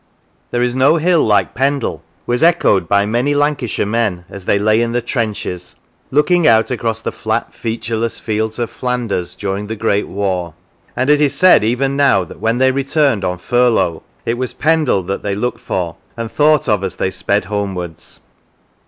" There is no hill like Pendle " was echoed by many Lancashire men as they lay in the trenches, looking out across the flat featureless fields of Flanders during the Great War, and it is said even now that when they returned on furlough, it was Pendle that they looked for and thought of as they sped homewards.